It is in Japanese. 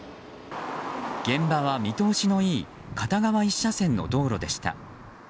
現場は見通しのいい片側１車線の道路でした。